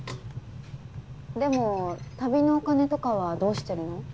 でも旅のお金とかはどうしてるの？